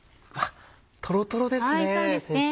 トロトロですね先生。